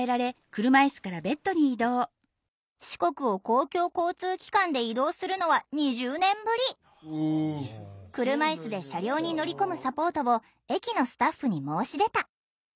四国を公共交通機関で移動するのは車いすで車両に乗り込むサポートを駅のスタッフに申し出た。